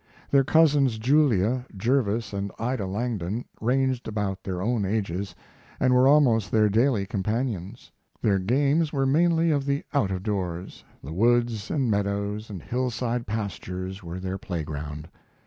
Their cousins Julia, Jervis, and Ida Langdon ranged about their own ages and were almost their daily companions. Their games were mainly of the out of doors; the woods and meadows and hillside pastures were their playground.